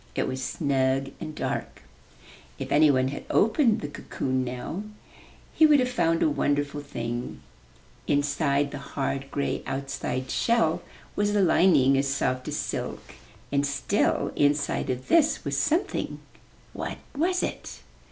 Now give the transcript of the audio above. It was snug and dark. 48 UP ONE PAIR OF STAIRS If anyone had opened the cocoon now he would have found a wonderful thing. Inside the hard, gray outside shell was a lining as soft as silk, and still in side of this was something — what was it?